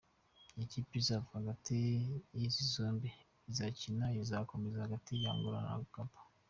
Ikipe izava hagati y’izi zombi izakina n’izakomeza hagati ya Angola na Gabon.